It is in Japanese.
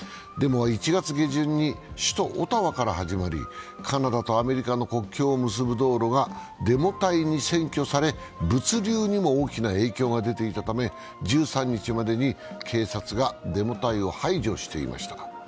デモは１月下旬に首都オタワから始まりカナダとアメリカの国境を結ぶ道路がデモ隊に占拠され、物流にも大きな影響が出ていたため、１３日までに警察がデモ隊を排除していました。